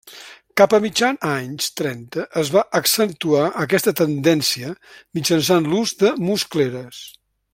Cap a mitjan anys trenta es va accentuar aquesta tendència mitjançant l'ús de muscleres.